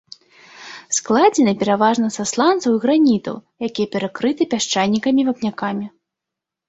Складзены пераважна са сланцаў і гранітаў, якія перакрыты пясчанікамі і вапнякамі.